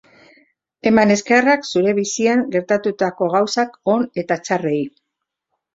Eman eskerrak zure bizian gertatutako gauza on eta txarrei.